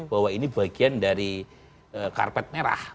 bahwa ini bagian dari karpet merah